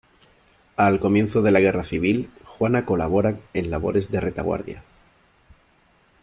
Al comienzo de la Guerra Civil, Juana colabora en labores de retaguardia.